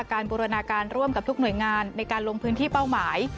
บูรณาการร่วมกับทุกหน่วยงานในการลงพื้นที่เป้าหมาย